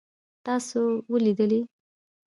تاسو ولوېدلئ؟